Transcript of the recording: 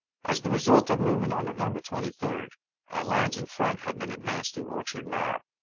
As the result of the movement on November 23d, our lines in front had been advanced to Orchard Knob.